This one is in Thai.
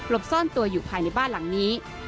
ซ่อนตัวอยู่ภายในบ้านหลังนี้